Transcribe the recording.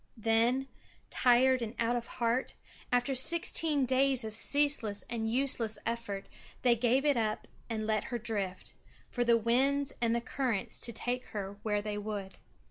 Then, tired and out of heart, after sixteen days of ceaseless and useless effort, they gave it up and let her drift, for the winds and currents to take her where they would.